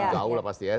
gaul lah pasti ya